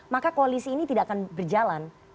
maka koalisi ini tidak akan berjalan